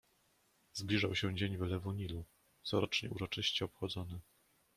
"Zbliżał się dzień wylewu Nilu, corocznie uroczyście obchodzony."